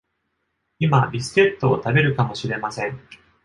今ビスケットを食べるかもしれません。